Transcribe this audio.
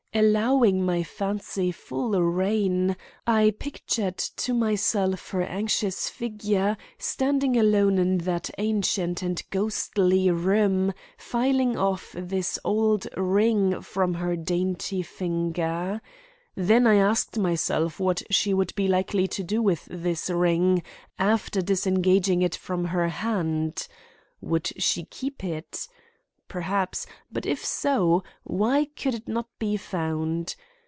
Allowing my fancy full rein, I pictured to myself her anxious figure standing alone in that ancient and ghostly room filing off this old ring from her dainty finger. Then I asked myself what she would be likely to do with this ring after disengaging it from her hand? Would she keep it? Perhaps; but if so, why could it not be found?